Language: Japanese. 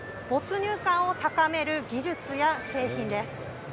没入感を高める技術や製品です。